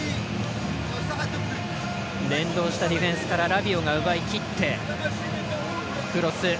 連動したディフェンスからラビオが奪いきってクロス。